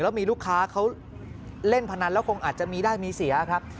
แล้วมีลูกค้าเขาเล่นพนันแล้วคงอาจจะมีได้มีเสียครับ